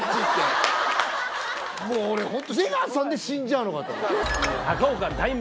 もう俺ホント出川さんで死んじゃうのかと思った。